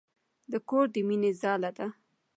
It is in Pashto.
د کور د مينې ځاله ده.